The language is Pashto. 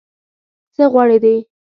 څه غورې دي.